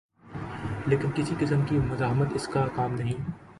لیکن کسی قسم کی مزاحمت اس کا کام نہیں۔